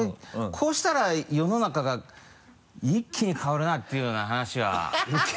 「こうしたら世の中が一気に変わるな」っていうような話は。